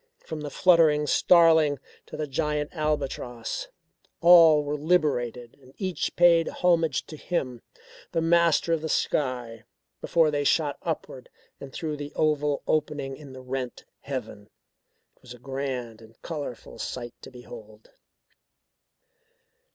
From the fluttering starling to the giant albatross, all were liberated and each paid homage to him the master of the sky, before they shot upward and through the oval opening in the rent heaven. It was a grand and colourful sight to behold.